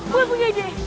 bu punya ide